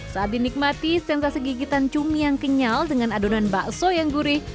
saat dinikmati sensasi gigitan cumi yang kenyal dengan adonan bakso yang gurih